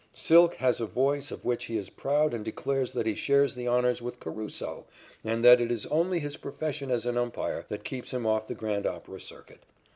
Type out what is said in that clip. "Silk" has a voice of which he is proud and declares that he shares the honors with Caruso and that it is only his profession as an umpire that keeps him off the grand opera circuit.